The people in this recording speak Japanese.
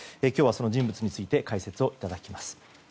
今日は、その人物について解説をいただきます。